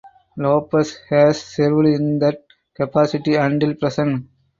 Lopez has served in that capacity until present.